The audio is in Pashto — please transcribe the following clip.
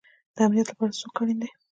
د امنیت لپاره څوک اړین دی؟